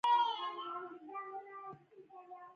اتیوس په ځوانۍ کې د بربریانو له لوري برمته کړای شو